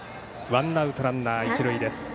ワンアウトランナー、一塁です。